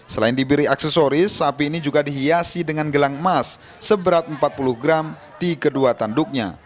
selain diberi aksesoris sapi ini juga dihiasi dengan gelang emas seberat empat puluh gram di kedua tanduknya